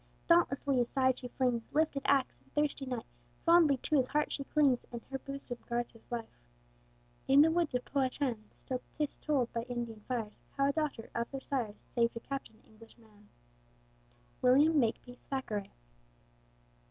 Dauntlessly aside she flings Lifted axe and thirsty knife, Fondly to his heart she clings, And her bosom guards his life! In the woods of Powhatan, Still 'tis told by Indian fires How a daughter of their sires Saved a captive Englishman. WILLIAM MAKEPEACE THACKERAY.